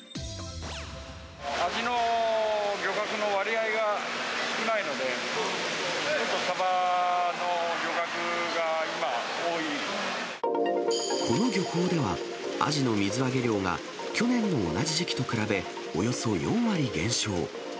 アジの漁獲の割合が少ないので、この漁港では、アジの水揚げ量が去年の同じ時期と比べ、およそ４割減少。